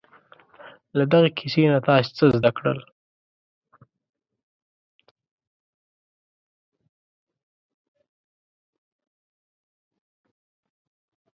له دغې کیسې نه تاسې څه زده کړل؟